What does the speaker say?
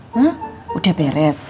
hah udah beres